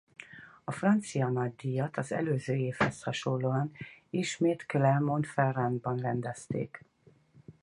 A francia nagydíjat az előző évhez hasonlóan ismét Clermont-Ferrand-ban rendezték.